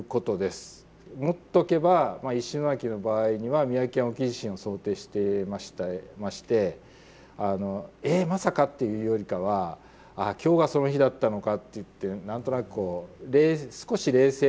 持っとけばまあ石巻の場合には宮城県沖地震を想定してましてえっまさか！っていうよりかはああ今日がその日だったのかっていって何となくこう少し冷静でいられたというかですね